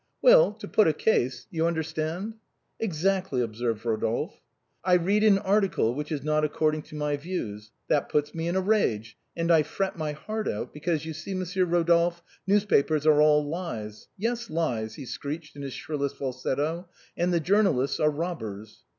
" Well, to put a case — you understand?" " Exactly," observed Eodolphe. " I read an article which is not according to my views. That puts me in a rage, and I fret my heart out, because you see, Monsieur Eodolphe, newspapers are all lies. Yes, lies," he screeched in his shrillest falsetto, " and the jour nalists are robbers."